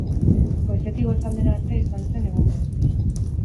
Goizetik goizaldera arte izan zen egun berezia.